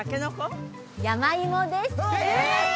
山芋です